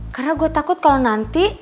karena gue takut kalau nanti